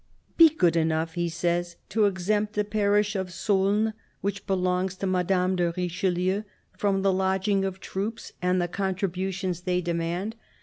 " Be good enough," he says, " to exempt the parish of Saulnes, which belongs to Madame de Richelieu, from the lodging of troops and the contributions they demand.